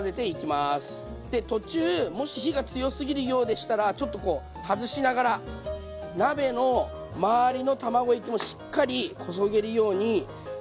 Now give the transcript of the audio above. で途中もし火が強すぎるようでしたらちょっとこう外しながら鍋の周りの卵液もしっかりこそげるようにかき混ぜていきます。